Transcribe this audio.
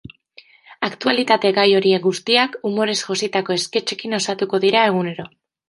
Aktualitate gai horiek guztiak, umorez jositako esketxekin osatuko dira egunero.